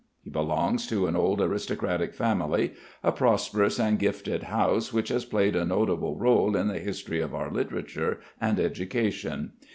He belongs to an old aristocratic family, a prosperous and gifted house which has played a notable rôle in the history of our literature and education.